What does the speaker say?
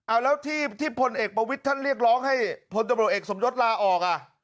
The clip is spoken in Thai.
เอาแล้วที่พลเอกประวิทย์ท่านเรียกร้องให้พลตำรวจเอกสมยศลาออกอ่ะ